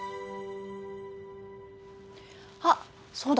あっそうだ！